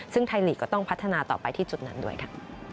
ซึ่งไทยลีกก็ต้องพัฒนาต่อไปที่จุดนั้นด้วยค่ะ